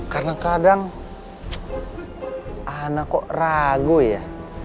karena kadang anak kok ragu ya